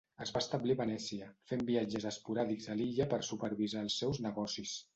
Es va establir a Venècia, fent viatges esporàdics a l'illa per supervisar els seus negocis.